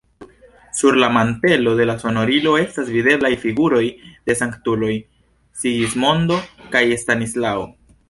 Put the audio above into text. Sur la mantelo de la sonorilo estas videblaj figuroj de sanktuloj: Sigismondo kaj Stanislao.